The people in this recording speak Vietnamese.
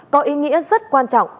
có ý nghĩa rất quan trọng